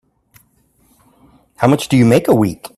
How much do you make a week?